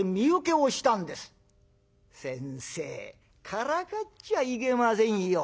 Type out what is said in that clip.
「先生からかっちゃいけませんよ。